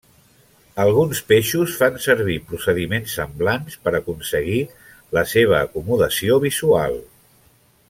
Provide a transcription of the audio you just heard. Alguns peixos fan servir procediments semblants per aconseguir la seva acomodació visual.